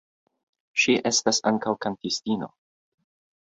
Ŝi estas ankaŭ kantistino.